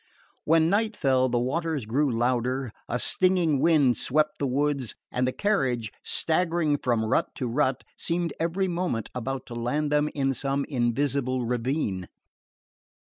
When night fell the waters grew louder, a stinging wind swept the woods, and the carriage, staggering from rut to rut, seemed every moment about to land them in some invisible ravine.